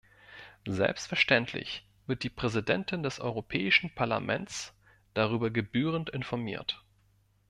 Selbstverständlich wird die Präsidentin des Europäischen Parlaments darüber gebührend informiert.